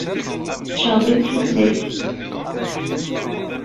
Tceɣɣeb-itt tufayt.